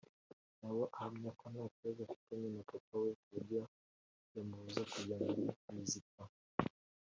nawe ahamya ko nta kibazo afitanye na papa we kuburyo yamubuza kujya muri muzika